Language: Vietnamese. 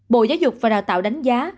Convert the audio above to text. bộ giáo dục và đào tạo đánh giá